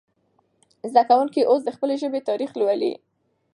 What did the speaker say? زده کوونکي اوس د خپلې ژبې تاریخ لولي.